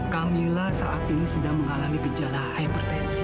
camilla saat ini sedang mengalami gejala hipertensi